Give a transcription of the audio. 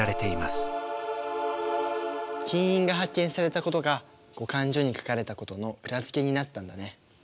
金印が発見されたことが「後漢書」に書かれたことの裏付けになったんだね。